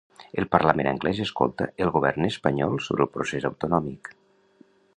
El parlament anglès escolta el govern espanyol sobre el procés autonòmic.